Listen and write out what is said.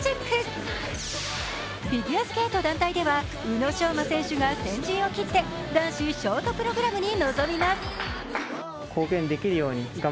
フィギュアスケート団体では、宇野昌磨選手が先陣を切って男子ショートプログラムに臨みます。